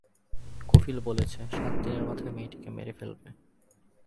কফিল বলেছে, সাতদিনের মাথায় মেয়েটিকে মেরে ফেলবে।